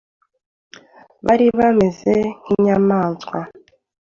bari bameze nk’inyamaswa